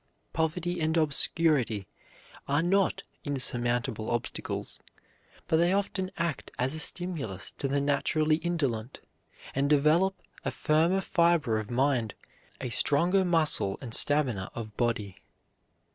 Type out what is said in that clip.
Poverty and obscurity are not insurmountable obstacles, but they often act as a stimulus to the naturally indolent, and develop a firmer fiber of mind, a stronger muscle and stamina of body.